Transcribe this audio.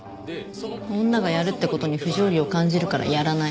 女がやるって事に不条理を感じるからやらない。